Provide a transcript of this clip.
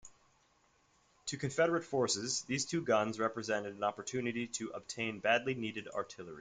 To Confederate forces, these two guns represented an opportunity to obtain badly needed artillery.